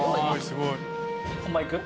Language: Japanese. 本番いく？